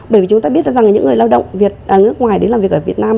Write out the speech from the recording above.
bởi vì chúng ta biết rằng là những người lao động nước ngoài đến làm việc ở việt nam